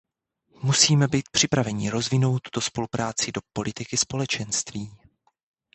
Musíme být připraveni rozvinout tuto spolupráci do politiky Společenství.